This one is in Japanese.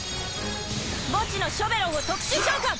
墓地のショベロンを特殊召喚！